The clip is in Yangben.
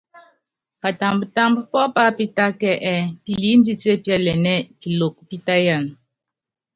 Patambtámb pɔ́ pápitáka ɛ́ɛ piliínditié píɛlɛnɛ́ ɛ́ɛ Piloko pítáyan.